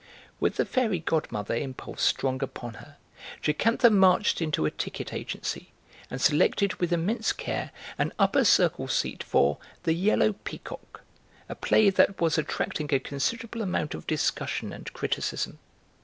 With the Fairy Godmother impulse strong upon her, Jocantha marched into a ticket agency and selected with immense care an upper circle seat for the "Yellow Peacock," a play that was attracting a considerable amount of discussion and criticism.